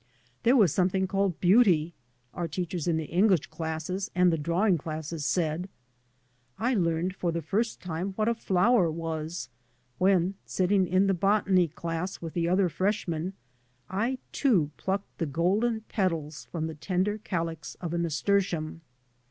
There was something called beauty, our teachers in the English classes and the drawing classes said. I learned for the. first time what a flower was when, sitting in the botany class with the other freshmen I too plucked the golden petals from the tender calyx of a nasturtium.